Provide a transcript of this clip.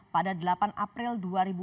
pada delapan april dua ribu enam belas